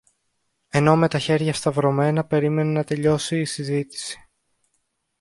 ενώ με τα χέρια σταυρωμένα περίμενε να τελειώσει η συζήτηση